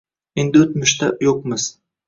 Endi o’tmishda yo’qmiz.